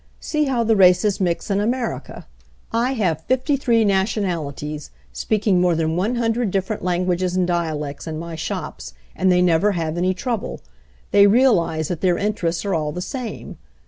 See how the races mix in America! I have fifty three nationalities, speaking more than one hundred different lan guages and dialects, in my shops, and they never have any trouble. They realize that their in terests are all the same.